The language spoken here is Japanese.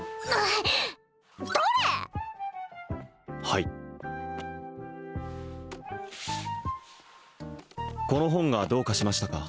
はいこの本がどうかしましたか？